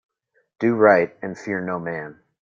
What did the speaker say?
Do right and fear no man.